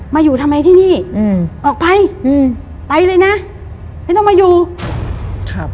อยู่ทำไมที่นี่อืมออกไปอืมไปเลยนะไม่ต้องมาอยู่ครับ